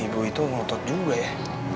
ibu itu ngotot juga ya